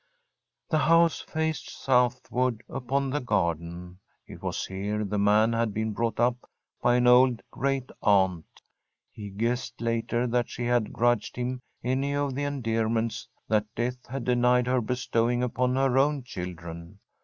The house faced southward upon the garden. It was here the man had been brought up by an old great aunt. He guessed later that she had grudged him any of the endearments that death had denied her bestowing upon her own children.